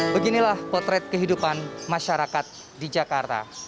beginilah potret kehidupan masyarakat di jakarta